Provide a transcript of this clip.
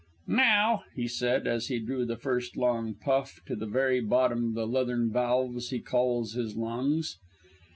"Now," he said, as he drew the first long puff to the very bottom of the leathern valves he calls his lungs.